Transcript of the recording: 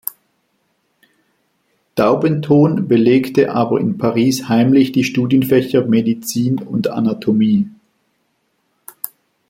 Daubenton belegte aber in Paris heimlich die Studienfächer Medizin und Anatomie.